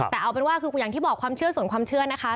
แต่เอาเป็นว่าคืออย่างที่บอกความเชื่อส่วนความเชื่อนะคะ